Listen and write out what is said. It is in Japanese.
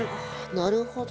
なるほど。